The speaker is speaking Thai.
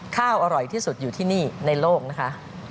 อร่อยที่สุดอยู่ที่นี่ในโลกนะคะ